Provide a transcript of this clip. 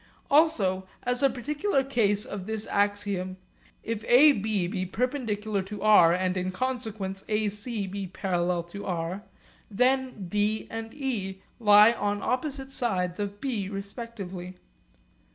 Also as a particular case of this axiom, if AB be perpendicular to r and in consequence AC be parallel to r, then D and E lie on opposite sides of B respectively.